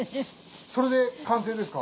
それで完成ですか？